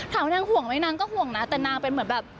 ถามว่านางห่วงอะไรไม่นางก็ห่วงนะแต่นางเป็นเหมือนแบบ